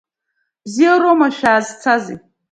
Бзиароума, шәаазцазеи?